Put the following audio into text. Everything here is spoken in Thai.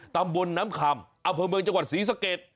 ตำบลน้ำคำอำเภอเมืองจังหวัดศรีสะเกด